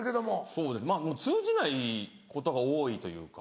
そうです通じないことが多いというか。